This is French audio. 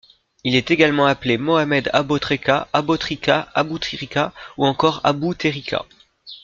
Il est également appelé Mohamed Abo Treka, Abo Trika, Abutrika ou encore Abou Terika.